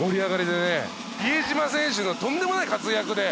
比江島選手のとんでもない活躍で。